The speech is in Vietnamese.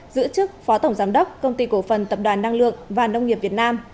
giữ chức phó tổng giám đốc công ty cổ phần tập đoàn năng lượng và nông nghiệp việt nam